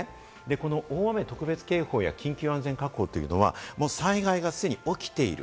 この大雨特別警報や緊急安全確保は災害が既に起きている。